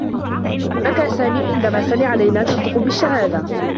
بكي سامي عندما سمع ليلى تنطق بالشّهادة.